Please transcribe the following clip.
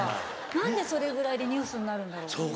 何でそれぐらいでニュースになるんだろう？